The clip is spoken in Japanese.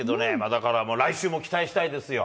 だから来週も期待したいですよ。